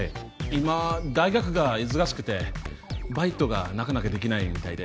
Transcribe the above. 今大学が忙しくてバイトがなかなかできないみたいで。